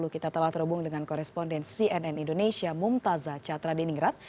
kita telah terhubung dengan koresponden cnn indonesia mumtazah catra di ningrat